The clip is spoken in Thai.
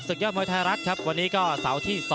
ยอดมวยไทยรัฐครับวันนี้ก็เสาร์ที่๒